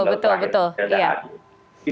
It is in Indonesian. lalu akhirnya tidak ada hakim